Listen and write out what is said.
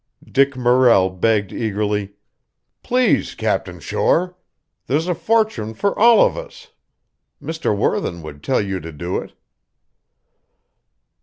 Dick Morrell begged eagerly: "Please, Captain Shore. There's a fortune for all of us. Mr. Worthen would tell you to do it...."